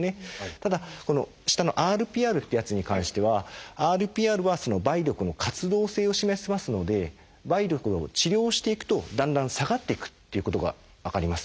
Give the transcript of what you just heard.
ただこの下のＲＰＲっていうやつに関してはＲＰＲは梅毒の活動性を示しますので梅毒を治療していくとだんだん下がっていくっていうことが分かります。